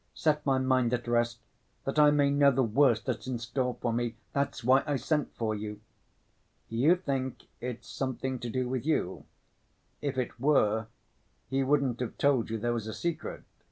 "Set my mind at rest that I may know the worst that's in store for me. That's why I sent for you." "You think it's something to do with you? If it were, he wouldn't have told you there was a secret."